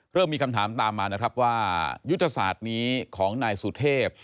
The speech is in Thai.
เริ่มมีคำถามตามมานะครับว่ายุทธศาสตร์นี้ของนายสุเทพ